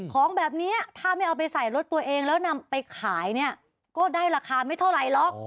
ของแบบนี้ถ้าไม่เอาไปใส่รถตัวเองแล้วนำไปขายเนี่ยก็ได้ราคาไม่เท่าไหร่หรอก